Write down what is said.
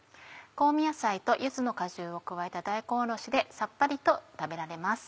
香味野菜と柚子の果汁を加えた大根おろしでさっぱりと食べられます。